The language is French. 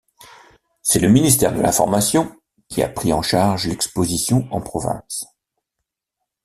C'est le ministère de l'information qui a pris en charge l'exposition en province.